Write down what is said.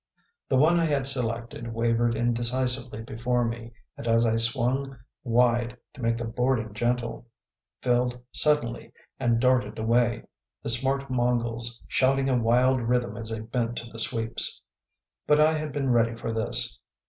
The one I had selected wavered indecisively before me, and, as I swung wide to make the boarding gentle, filled suddenly and darted away, the smart Mongols shouting a wild rhythm as they bent to the sweeps. But I had been ready for this.